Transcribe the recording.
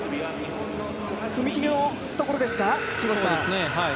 踏み切りのところですか、木越さん。